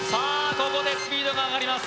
ここでスピードが上がります